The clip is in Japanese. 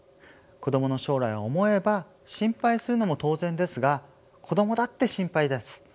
子どもの将来を思えば心配するのも当然ですが子どもだって心配です。